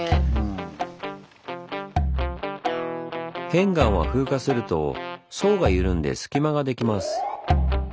片岩は風化すると層が緩んで隙間ができます。